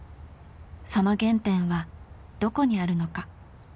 その原点はどこにあるのか？